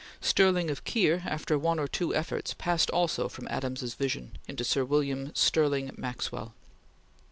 Stirling of Keir, after one or two efforts, passed also from Adams's vision into Sir William Stirling Maxwell.